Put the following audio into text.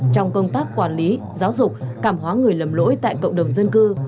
trong công tác quản lý giáo dục cảm hóa người lầm lỗi tại cộng đồng dân cư